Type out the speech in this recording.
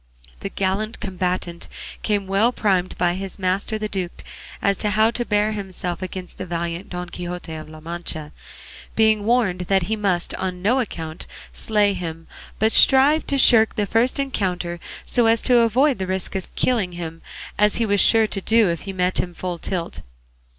The gallant combatant came well primed by his master the duke as to how he was to bear himself against the valiant Don Quixote of La Mancha; being warned that he must on no account slay him, but strive to shirk the first encounter so as to avoid the risk of killing him, as he was sure to do if he met him full tilt.